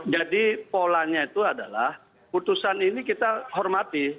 jadi polanya itu adalah putusan ini kita hormati